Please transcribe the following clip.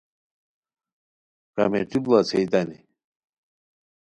کمیٹی بڑاڅھیتانی